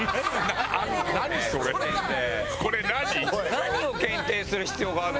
何を検定する必要があるの？